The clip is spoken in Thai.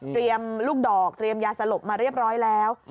ลูกดอกเตรียมยาสลบมาเรียบร้อยแล้ว